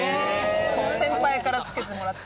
先輩から付けてもらって。